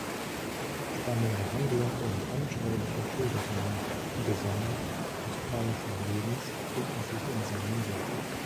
Spannende Handlung und anschauliche Schilderungen, besonders australischen Lebens, finden sich in seinen Werken.